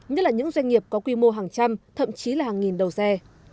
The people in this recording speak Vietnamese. như là những doanh nghiệp có quy mô hàng trăm thậm chí là hàng nghìn đầu xe